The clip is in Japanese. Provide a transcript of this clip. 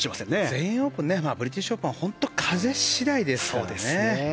全英オープンブリティッシュオープンは本当に風次第ですから。